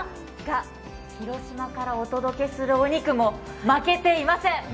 が、広島からお届けするお肉も負けていません。